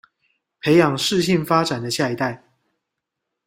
培養適性發展的下一代